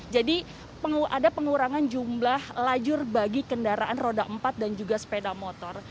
jadi ada pengurangan jumlah lajur bagi kendaraan roda empat dan juga sepeda motor